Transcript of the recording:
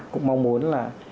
cũng mong muốn là